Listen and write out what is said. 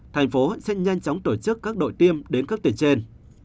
tp hcm sẽ nhanh chóng tổ chức các đội tiêm đến các tỉnh trên